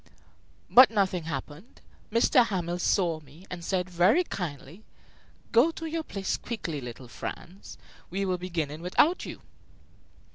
But nothing happened, M. Hamel saw me and said very kindly: "Go to your place quickly, little Franz. We were beginning without you."